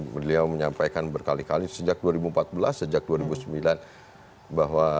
beliau menyampaikan berkali kali sejak dua ribu empat belas sejak dua ribu sembilan bahwa